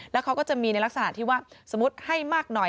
แล้วเขาก็จะมีในลักษณะที่ว่าสมมุติให้มากหน่อย